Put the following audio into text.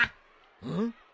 うん？